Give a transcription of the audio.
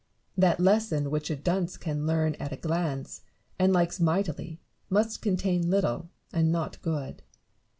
That lesson which a dunce can learn at a glance, and likes mightily, must contain little, and not good.